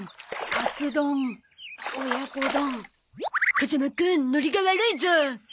風間くんノリが悪いゾ。